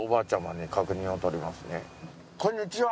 こんにちは。